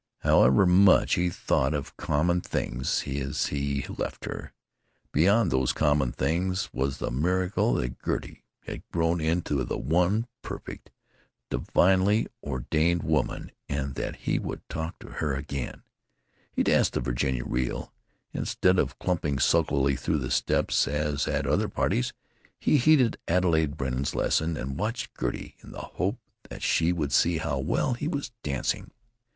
However much he thought of common things as he left her, beyond those common things was the miracle that Gertie had grown into the one perfect, divinely ordained woman, and that he would talk to her again. He danced the Virginia reel. Instead of clumping sulkily through the steps, as at other parties, he heeded Adelaide Benner's lessons, and watched Gertie in the hope that she would see how well he was dancing.